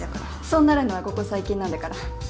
そうなるのはここ最近なんだから安心して。